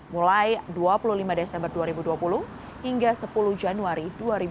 mulai dua puluh lima desember dua ribu dua puluh hingga sepuluh januari dua ribu dua puluh